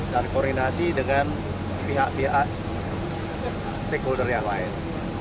dan koordinasi dengan pihak pihak stakeholder yang lain